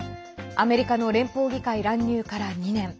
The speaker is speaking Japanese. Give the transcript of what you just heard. アメリカの連邦議会乱入から２年。